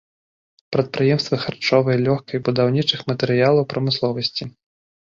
Прадпрыемствы харчовай, лёгкай, будаўнічых матэрыялаў прамысловасці.